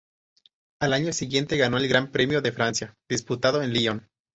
Al año siguiente ganó el Gran Premio de Francia, disputado en Lyon.